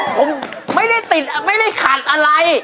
ผมไม่ได้ติดไม่ได้ขาดอะไร